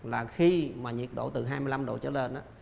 là khi mà nhiệt độ từ hai mươi năm độ trở lên á